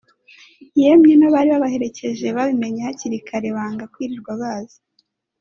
yemwe n’abari babaherekeje babimenye hakiri kare banga kwirirwa baza